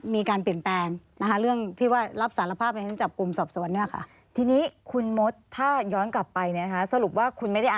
สิ่งเราได้อ่านละพบว่า